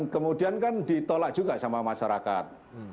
kemudian kan ditolak juga sama masyarakat